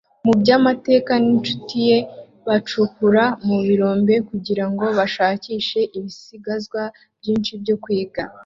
mu by'amateka n'inshuti ye bacukura mu birombe kugira ngo bashakishe ibisigazwa byinshi byo kwiga